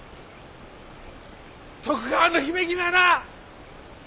徳川の姫君はな